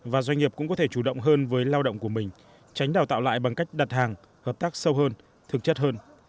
và doanh nghiệp cũng có thể chủ động hơn với lao động của mình tránh đào tạo lại bằng cách đặt hàng hợp tác sâu hơn thực chất hơn